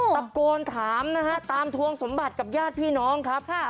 ตะโกนถามนะฮะตามทวงสมบัติกับญาติพี่น้องครับ